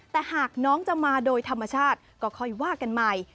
แต่หากน้องจะมาโดยธรรมชาติก็ค่อยว่ากันใหม่